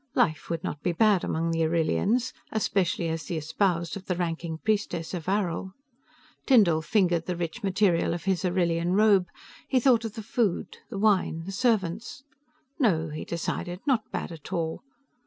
Life would not be bad, among the Arrillians, especially as the espoused of the ranking priestess of Arrill. Tyndall fingered the rich material of his Arrillian robe; he thought of the food, the wine, the servants. No, he decided, not bad at all.